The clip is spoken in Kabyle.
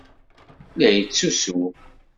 La yettusu.